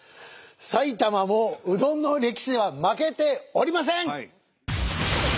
埼玉もうどんの歴史では負けておりません！